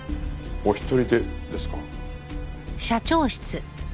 お一人でですか。